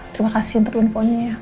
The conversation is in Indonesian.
terima kasih untuk infonya ya